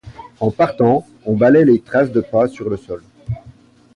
En partant, on balaie les traces de pas sur le sol.